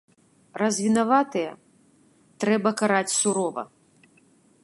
Раз вінаватыя, трэба караць сурова.